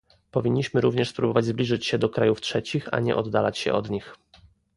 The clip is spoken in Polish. Powinniśmy również spróbować zbliżyć się do krajów trzecich, a nie oddalać się od nich